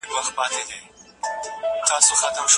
ښه انسان بخښنه کوي